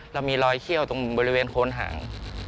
เรามีรอยเขี้ยวตรงบริเวณโคนหาง